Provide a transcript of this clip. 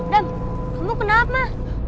dam kamu kenapa